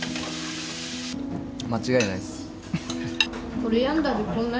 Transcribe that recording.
間違いないっす。